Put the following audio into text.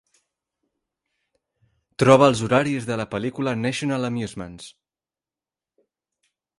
Troba els horaris de la pel·lícula National Amusements.